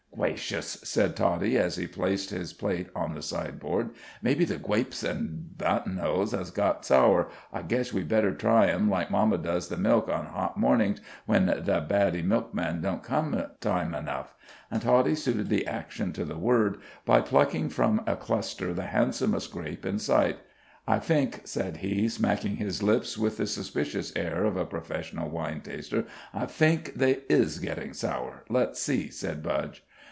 "Gwacious!" said Toddie, as he placed his plate on the sideboard, "maybe the gwapes an' buttonanoes has got sour. I guesh we'd better try 'em, like mamma does the milk on hot morningsh when the baddy milkman don't come time enough," and Toddie suited the action to the word by plucking from a cluster the handsomest grape in sight. "I fink," said he, smacking his lips with the suspicious air of a professional wine taster; "I fink they is gettin' sour." "Let's see," said Budge.